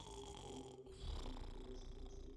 ফলে হঠাৎ একদিন তাদের মুখের বুলি আশিটি ভাষায় পরিণত হয়ে যায়।